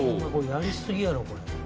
やりすぎやろこれ。